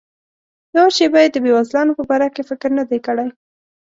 یوه شیبه یې د بېوزلانو په باره کې فکر نه دی کړی.